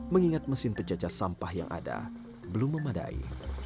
mengingat mesin penjajah sampah yang ada belum memadai